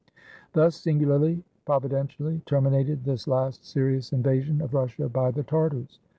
Thus, singu larly, providentially, terminated this last serious inva sion of Russia by the Tartars.